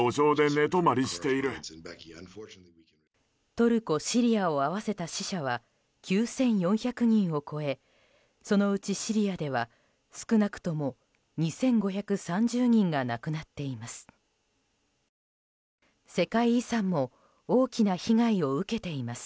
トルコ、シリアを合わせた死者は９４００人を超えそのうちシリアでは少なくとも２５３０人が亡くなっています。